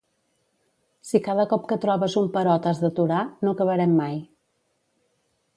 Si cada cop que trobes un però t'has d'aturar, no acabarem mai.